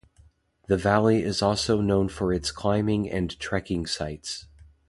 The valley is also known for its climbing and trekking sites.